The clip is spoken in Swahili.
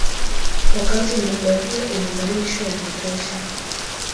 wakati mbuga hiyo ina malisho ya kutosha